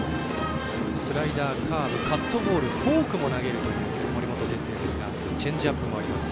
スライダー、カーブフォークも投げるという森本哲星ですがチェンジアップもあります。